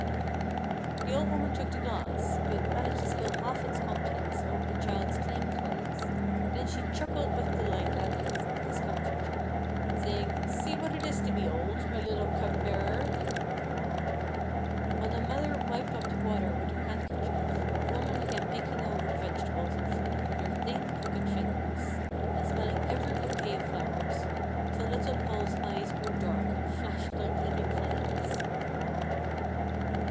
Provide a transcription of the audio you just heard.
The old woman took the glass, but managed to spill half its contents over the child's clean clothes, then she chuckled with delight at his discomfiture, saying "see what it is to be old, my little cup bearer." While the mother wiped off the water with her handkerchief the woman began picking over the vegetables and fruit with her thin hooked fingers, and smelling every bouquet of flowers, till little Paul's eyes grew dark and flashed like living flames.